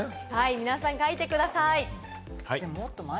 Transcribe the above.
皆さん書いてください。